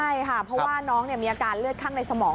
ใช่ค่ะเพราะว่าน้องมีอาการเลือดข้างในสมอง